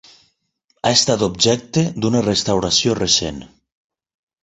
Ha estat objecte d'una restauració recent.